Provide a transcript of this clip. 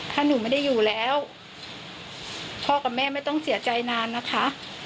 ถ้าหนูไม่ได้อยู่แล้วพ่อกับแม่ไม่ต้องเสียใจนานนะคะ